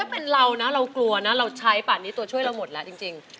เออถ้าเป็นเรานะเราควรกลัวนะเราใช้ตัวช่วยเราหมดแล้วจริง